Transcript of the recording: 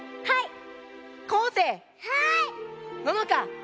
はい！